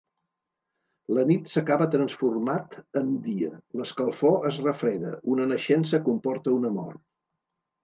La nit s'acaba transformat en dia, l'escalfor es refreda, una naixença comporta una mort.